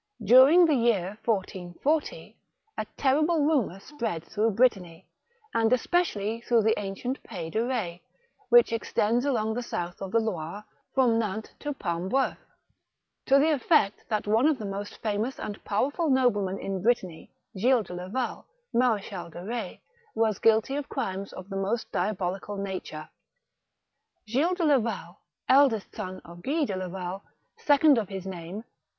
THE MAR]£CHAL DE KETZ. 183 During the year 1440, a terrible rumour spread through Brittany, and especially through the ancient imys de Retz, which extends along the south of the Loire from Nantes to Paimboeuf, to the effect that one of the most famous and powerful noblemen in Brittany, Gilles de Laval, Marechal de Retz, was guilty of crimes of the most diabolical nature. Gilles de Laval, eldest son of Guy de Laval, second of his name.